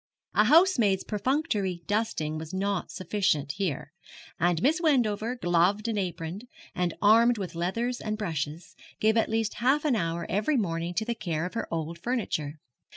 A housemaid's perfunctory dusting was not sufficient here; and Miss Wendover, gloved and aproned, and armed with leathers and brushes, gave at least half an hour every morning to the care of her old furniture.